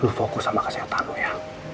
lo fokus sama kesehatan lo ya